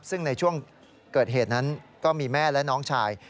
ซึ่งในช่วงเกิดเหตุนั้นก็มีแม่และน้องชาย